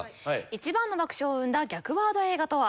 一番の爆笑を生んだ逆ワード映画とは？